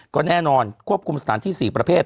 ก็แน่นอนควบคุมสถานที่๔ประเภท